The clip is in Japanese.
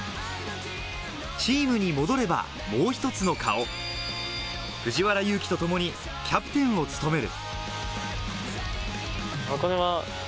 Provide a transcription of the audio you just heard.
チームに戻れば、もう１つの顔、藤原佑樹とともにキャプテンを務める。